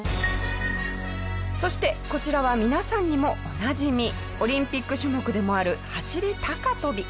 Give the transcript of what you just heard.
そしてこちらは皆さんにもおなじみオリンピック種目でもある走り高跳び。